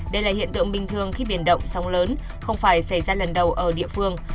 đây là hiện tượng bình thường khi biển động sóng lớn không phải xảy ra lần đầu ở địa phương